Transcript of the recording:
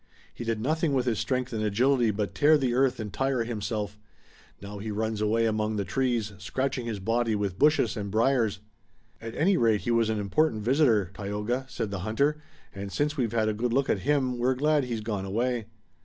He did nothing with his strength and agility but tear the earth and tire himself. Now he runs away among the trees, scratching his body with bushes and briars." "At any rate, he was an important visitor, Tayoga," said the hunter, "and since we've had a good look at him we're glad he's gone away.